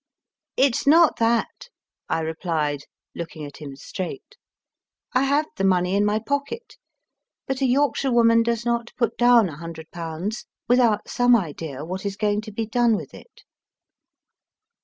It s not that, I replied, looking at him straight. I have the money in my pocket ; but a Yorkshire woman does not put down a hundred pounds without some idea what is going to be done with it.